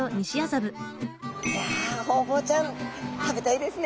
いやホウボウちゃん食べたいですね。